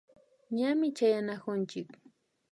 Ñami chayanakunchik